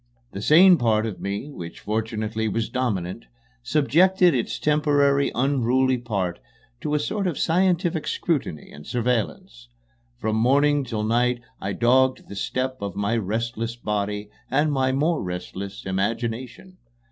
The sane part of me, which fortunately was dominant, subjected its temporarily unruly part to a sort of scientific scrutiny and surveillance. From morning till night I dogged the steps of my restless body and my more restless imagination.